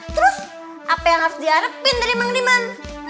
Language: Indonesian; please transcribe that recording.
terus apa yang harus diharapin dari mang diman